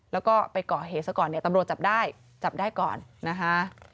แล้วก็ไปก่อเหตุซะก่อนเนี่ยตำรวจจับได้จับได้ก่อนนะคะ